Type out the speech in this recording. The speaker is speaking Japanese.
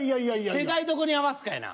世代どこに合わすかやな。